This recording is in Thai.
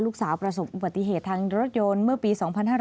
ประสบอุบัติเหตุทางรถยนต์เมื่อปี๒๕๕๙